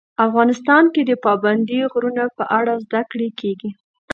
افغانستان کې د پابندی غرونه په اړه زده کړه کېږي.